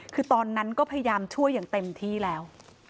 คือตอนนั้นก็พยายามช่วยอย่างเต็มที่แล้ว